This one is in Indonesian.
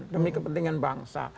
demi kepentingan bangsa